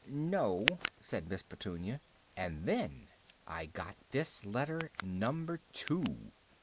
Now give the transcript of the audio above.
"No," said Miss Petunia. "And then I got this letter Number Two."